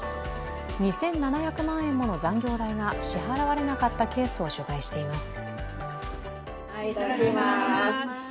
２７００万円もの残業代が支払われなかったケースを取材しています。